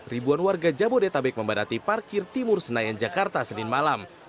ribuan warga jabodetabek membadati parkir timur senayan jakarta senin malam